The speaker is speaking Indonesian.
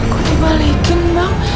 gua dibalikin bang